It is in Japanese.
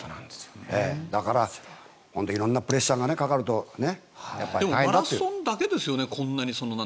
だから、色んなプレッシャーがかかるとね。